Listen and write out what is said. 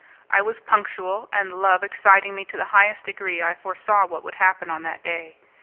I was punctual, and love exciting me to the highest degree I foresaw what would happen on that day.